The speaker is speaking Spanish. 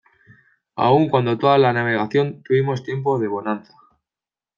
aun cuando toda la navegación tuvimos tiempo de bonanza